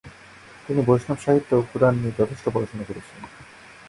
তিনি বৈষ্ণব সাহিত্য ও পুরাণ নিয়ে যথেষ্ট পড়াশোনা করেছিলেন।